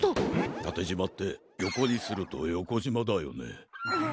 たてじまってよこにするとよこじまだよね。